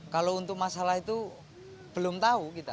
kalau untuk masalah itu belum tahu kita